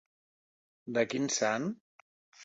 De quin sant?